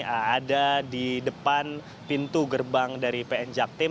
ada di depan pintu gerbang dari pn jaktim